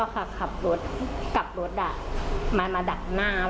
ครับ